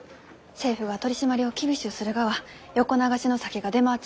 政府が取締りを厳しゅうするがは横流しの酒が出回っちゅうきゆうて。